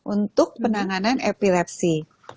untuk penanganan epilepsi